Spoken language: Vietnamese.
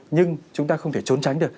nhưng chúng ta không thể trốn tránh được